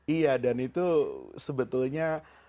iya dan itu sebetulnya